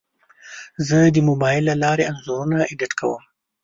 زه د موبایل له لارې انځورونه ایډیټ کوم.